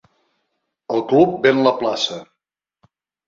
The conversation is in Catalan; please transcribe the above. El Club ven la plaça.